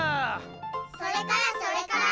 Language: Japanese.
それからそれから？